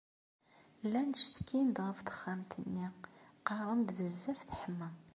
Llan ttcetkin-d ɣef texxamt-nni qqaren-d bezzaf teḥma.